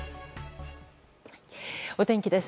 お天気です。